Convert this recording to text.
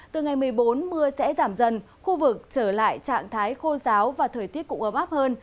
từ ngày một mươi bốn mưa sẽ giảm dần khu vực trở lại trạng thái khô giáo và thời tiết cũng ấm áp hơn